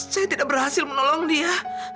saya tidak berhasil menolong dia